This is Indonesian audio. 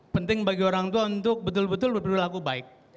penting bagi orang tua untuk betul betul berperilaku baik